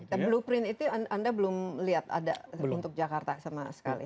dan blueprint itu anda belum lihat ada untuk jakarta sama sekali